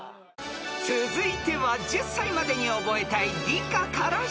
［続いては１０才までに覚えたい理科から出題］